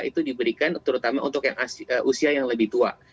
itu diberikan terutama untuk yang usia yang lebih tua